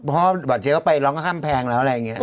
พอหวันเจ๊บไปเราก็ข้ามแพงแล้วอะไรอย่างเงี้ย